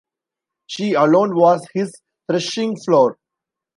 She alone was his threshing-floor.